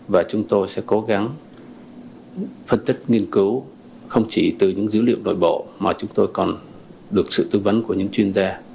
và chúng tôi sẽ cố gắng phân tích nghiên cứu không chỉ từ những dữ liệu nội bộ mà chúng tôi còn được sự tư vấn của những chuyên gia